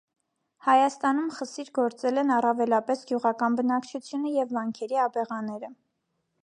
Հայաստանում խսիր գործել են առավելապես գյուղական բնակչությունը և վանքերի աբեղաները։